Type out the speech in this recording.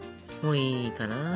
もういいかな。